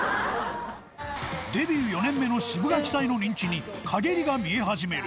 デビュー４年目のシブがき隊の人気に陰りが見え始める。